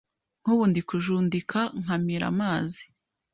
Nkubu ndi kukijundika nkamira amazi